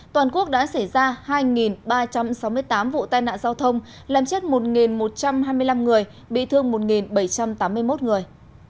toàn quốc đã xảy ra hai ba trăm sáu mươi tám vụ tai nạn giao thông làm chết một một trăm hai mươi năm người bị thương một bảy trăm tám mươi một người